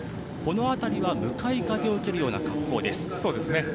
この辺りは向かい風を受けるような格好です。